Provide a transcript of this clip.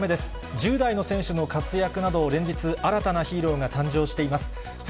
１０代の選手の活躍などを連日、新たなヒーローが誕生しています。